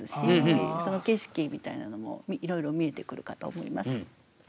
その景色みたいなのもいろいろ見えてくるかと思います。